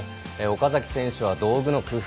岡崎選手は道具の工夫